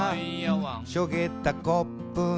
「しょげたコップに」